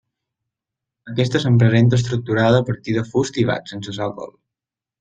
Aquesta se'ns presenta estructurada a partir de fust i vas, sense sòcol.